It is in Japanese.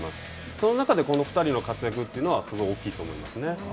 その中で、この２人の活躍というのは大きいと思いますね。